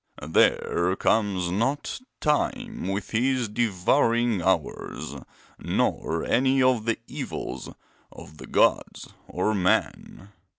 'There comes not Time with his devouring hours; nor any of the evils of the gods or men.